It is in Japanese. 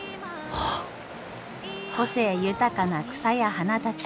個性豊かな草や花たち。